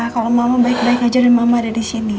kalau mama baik baik aja dan mama ada disini